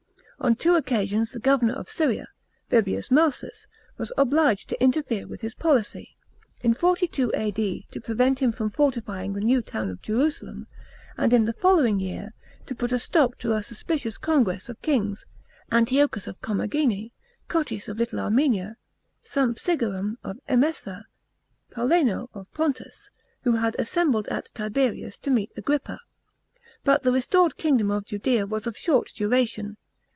On two occasions the governor of Syria, Vibius Marsus, was obliged to interfere with his policy ; in 42 A.D , to prevent him from fortifying the new town of Jerusalem, and in the following year, to put a stop to a suspicions congress of kings — Antiochus of CorriTnagene, Cotys of Little Armenia, Sampsigeram of Ernesa, Polemo of Pontus — who had assembled at Tiberias to meet Agrippa. But the restored kingdom of Judea was of short duration.